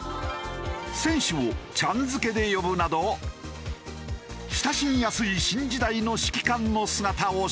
選手を「ちゃん」付けで呼ぶなど親しみやすい新時代の指揮官の姿を示した。